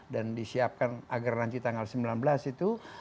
dan disiapkan agar nanti tanggal sembilan belas itu